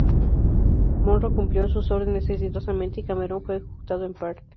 Munro cumplió sus órdenes exitosamente y Cameron fue ejecutado en Perth.